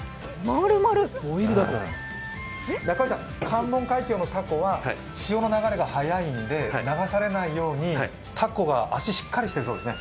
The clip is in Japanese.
関門海峡のたこは潮の流れが速いんで流されないようにたこが足、しっかりしているそうですね。